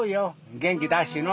元気出しての。